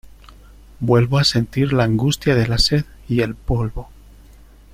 vuelvo a sentir la angustia de la sed y el polvo: